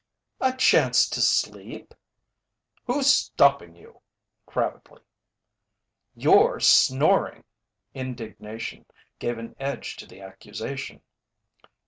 "A chance to sleep." "Who's stopping you?" crabbedly. "You're snoring." Indignation gave an edge to the accusation.